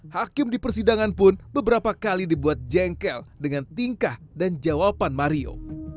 hakim di persidangan pun beberapa kali dibuat jengkel dengan tingkah dan jawaban mario